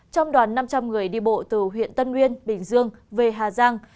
trong đoàn năm trăm linh người đi bộ từ huyện tân nguyên bình dương về hà giang